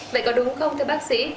vậy có đúng không thưa bác sĩ